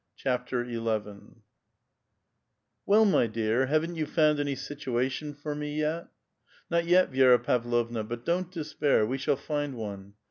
*' Well, my dear, haven't you found any situation for me yet?" "Not yet, Vi6ra Pavlovna, but don't despair; we shall find one.